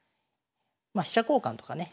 まあ飛車交換とかね